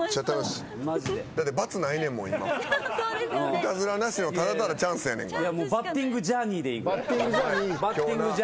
イタズラなしのただただチャンスやねんから。